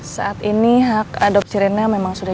saat ini hak adopsi rena memang sudah